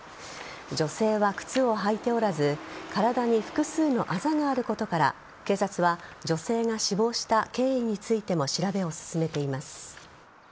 女性は靴を履いておらず体に複数のあざがあることから警察は女性が死亡した経緯についても調べを進めています。